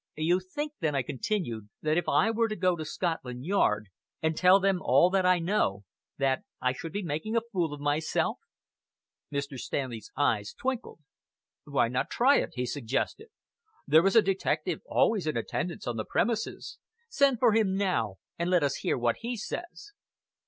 "You think, then," I continued, "that if I were to go to Scotland Yard, and tell them all that I know, that I should be making a fool of myself." Mr. Stanley's eyes twinkled. "Why not try it?" he suggested. "There is a detective always in attendance on the premises. Send for him now, and let us hear what he says."